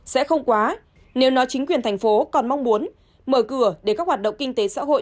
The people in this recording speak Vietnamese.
sẽ không quá nếu nói chính quyền thành phố còn mong muốn mở cửa để các hoạt động kinh tế xã hội